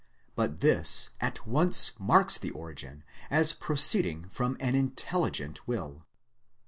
But this at once marks the origin as proceeding from an intelligent will.